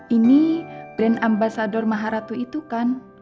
ini brand ambasador maharatu itu kan